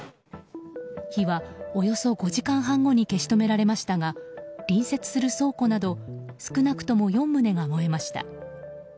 火は、およそ５時間半後に消し止められましたが隣接する倉庫など少なくとも４棟が燃えました。